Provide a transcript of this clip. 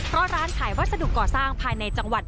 เพราะร้านขายวัสดุก่อสร้างภายในจังหวัด